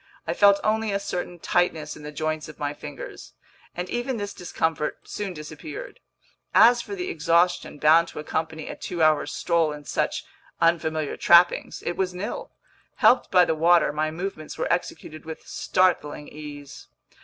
I felt only a certain tightness in the joints of my fingers, and even this discomfort soon disappeared. As for the exhaustion bound to accompany a two hour stroll in such unfamiliar trappings—it was nil. Helped by the water, my movements were executed with startling ease.